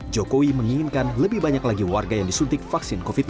jokowi menginginkan lebih banyak lagi warga yang disuntik vaksin covid sembilan belas